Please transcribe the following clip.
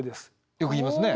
よく言いますね。